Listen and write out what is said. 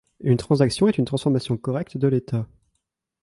Une transaction est une transformation correcte de l'état.